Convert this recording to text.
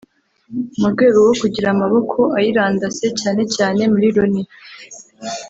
mu rwego rwo kugira amaboko ayirandase cyane cyane muri Loni